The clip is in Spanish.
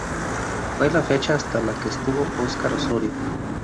Fue la fecha hasta la que estuvo Oscar Osorio.